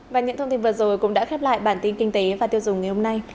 và những thông tin vừa rồi cũng đã khép lại bản tin kinh tế và tiêu dùng ngày hôm nay